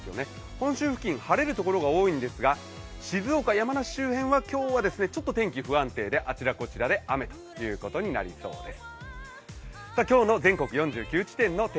本州付近、晴れるところが多いんですが、静岡、山梨周辺は今日は天気不安定であちらこちらで雨ということになりそうです。